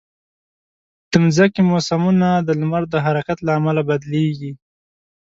د مځکې موسمونه د لمر د حرکت له امله بدلېږي.